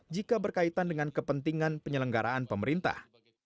jika berkaitan dengan kepentingan penyelenggaraan pemerintah